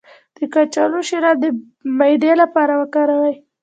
د کچالو شیره د معدې لپاره وکاروئ